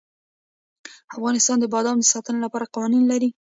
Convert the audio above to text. افغانستان د بادام د ساتنې لپاره قوانین لري.